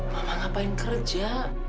mama ngapain kerja